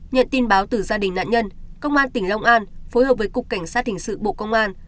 nhận tin báo từ gia đình nạn nhân công an tỉnh long an phối hợp với cục cảnh sát hình sự bộ công an